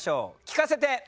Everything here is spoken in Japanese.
聞かせて！